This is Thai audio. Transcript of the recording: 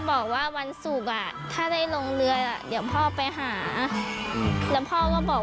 บอกว่าวันศุกร์อ่ะถ้าได้ลงเรือเดี๋ยวพ่อไปหาแล้วพ่อก็บอก